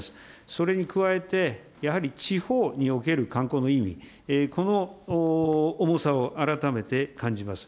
それに加えて、やはり地方における観光の意義、この重さを改めて感じます。